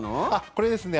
これですね